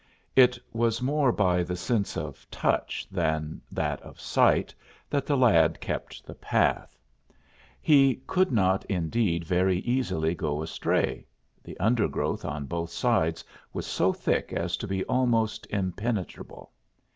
It was more by the sense of touch than by that of sight that the lad kept the path. He could not, indeed, very easily go astray; the undergrowth on both sides was so thick as to be almost impenetrable.